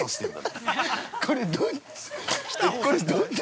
◆これどっち。